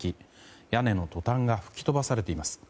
屋根のトタンが吹き飛ばされています。